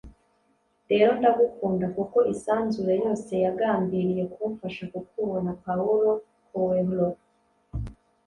rero, ndagukunda kuko isanzure yose yagambiriye kumfasha kukubona. - paulo coelho